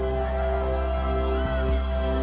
ขอบคุณครับ